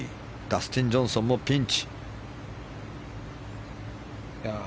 ダスティン・ジョンソンもピンチ。